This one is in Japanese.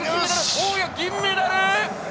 大矢、銀メダル！